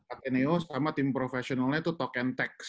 ateneo sama tim profesionalnya itu token tax